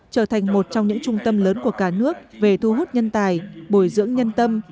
trở thành một trong những trung tâm lớn của cả nước về thu hút nhân tài bồi dưỡng nhân tâm